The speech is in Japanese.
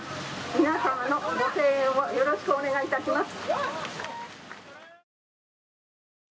皆様のご声援をよろしくお願いいたします